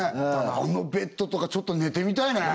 あのベッドとかちょっと寝てみたいね